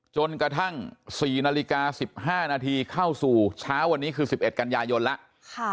จนกระทั่งสี่นาฬิกาสิบห้านาทีเข้าสู่เช้าวันนี้คือสิบเอ็ดกัญญายนแล้ว